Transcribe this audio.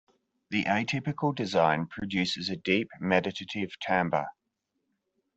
The atypical design produces a deep, meditative timbre.